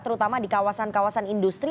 terutama di kawasan kawasan industri